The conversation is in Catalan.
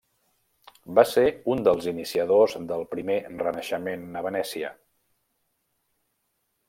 Va ser un dels iniciadors del primer Renaixement a Venècia.